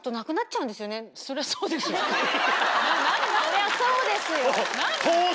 そりゃそうですよ。